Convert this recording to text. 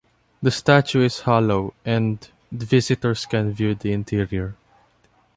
The statue is hollow, and visitors can view the interior.